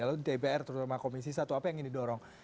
lalu di dpr terutama komisi satu apa yang ingin didorong